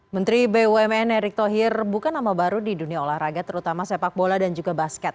menteri bumn erick thohir bukan nama baru di dunia olahraga terutama sepak bola dan juga basket